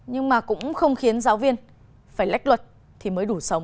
nhưng mà cũng không khiến giáo viên phải lách luật thì mới đủ sống